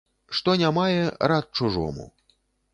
Што не мае, рад чужому.